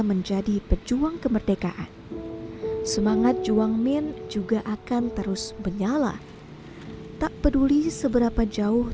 menjadi pejuang kemerdekaan semangat juang min juga akan terus menyala tak peduli seberapa jauh